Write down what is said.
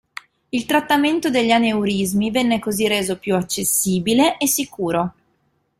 Il trattamento degli aneurismi venne così reso più accessibile e sicuro.